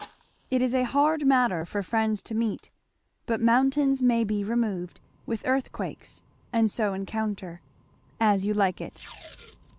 It is a hard matter for friends to meet; but mountains may be removed with earthquakes, and so encounter. As You Like It.